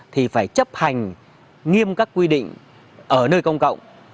thì phải chấp hành nghiêm các quy định ở nơi công cộng